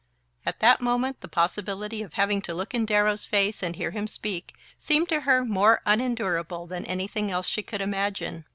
At that moment the possibility of having to look in Darrow's face and hear him speak seemed to her more unendurable than anything else she could imagine.